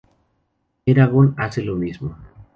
Eragon hace lo mismo.